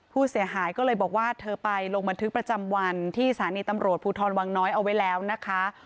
ผู้เสียหายก็เลยบอกว่าเธอไปลงบันทึกประจำวันที่สถานีตำรวจภูทรวังน้อยเอาไว้แล้วนะคะ